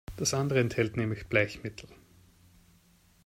Das andere enthält nämlich Bleichmittel.